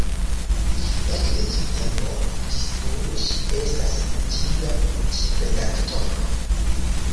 Ekde tiu tempo ĝis nun ŝi estas ĝia ĉefredaktoro.